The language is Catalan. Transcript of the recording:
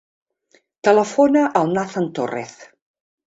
Telefona al Nathan Torrez.